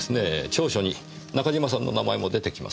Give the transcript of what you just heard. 調書に中島さんの名前も出てきます。